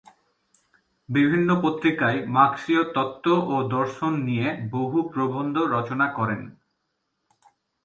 বিভিন্ন পত্রিকায় মার্ক্সীয় তত্ত্ব ও দর্শন নিয়ে বহু প্রবন্ধ রচনা করেন।